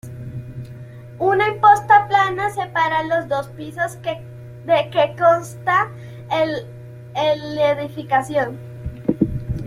Una imposta plana separa los dos pisos de que consta el edificación.